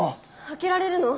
開けられるの？